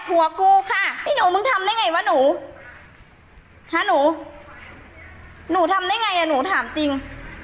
ผัวกูค่ะไอ้หนูมึงทำได้ไงวะหนูฮะหนูหนูทำได้ไงอ่ะหนูถามจริง